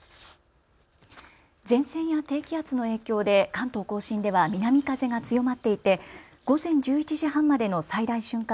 前線や低気圧の影響で関東甲信では南風が強まっていて午前１１時半までの最大瞬間